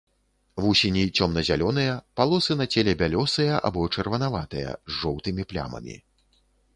Вусені цёмна-зялёныя, палосы на целе бялёсыя або чырванаватыя, з жоўтымі плямамі.